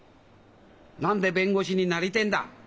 「何で弁護士になりてえんだ」。